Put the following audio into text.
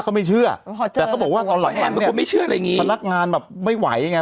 เขาบอกเขาเจอกันทั่วหน้า